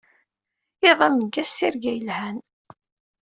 Iḍ ameggaz, tirga yelhan!